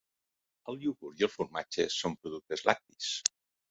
El iogurt i el formatge són productes lactis.